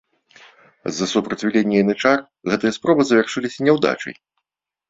З-за супраціўлення янычар гэтыя спробы завяршыліся няўдачай.